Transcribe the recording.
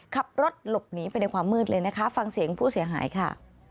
ขับรถหลบหนีไปในความมืดเลยนะคะฟังเสียงผู้เสียหายค่ะ